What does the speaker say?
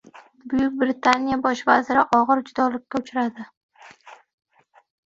Buyuk Britaniya bosh vaziri og‘ir judolikka uchradi